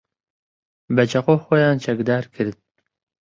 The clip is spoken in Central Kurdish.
بە چەقۆ خۆیان چەکدار کرد.